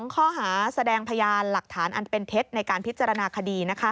ข้อหาแสดงพยานหลักฐานอันเป็นเท็จในการพิจารณาคดี